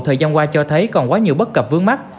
thời gian qua cho thấy còn quá nhiều bất cập vướng mắt